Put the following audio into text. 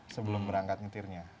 sebelum berangkat menyetirnya